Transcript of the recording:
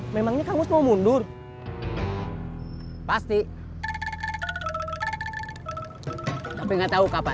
memangnya kamu mau mundur pasti tapi nggak tahu kapan